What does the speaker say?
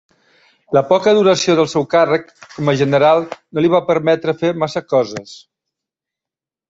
La poca duració del seu càrrec com a general no li va permetre fer massa coses.